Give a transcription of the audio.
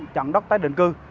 chặn đất tái định cư